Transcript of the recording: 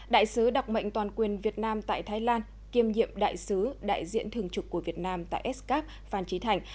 đại sứ đặc mệnh toàn quyền việt nam tại thái lan kiêm nhiệm đại sứ đại diện thường trục của việt nam tại s cap phan trí thành